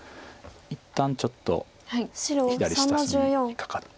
一旦ちょっと左下隅にカカって。